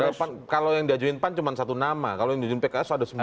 kalau yang diajuin pan cuma satu nama kalau yang diajuin pks ada sembilan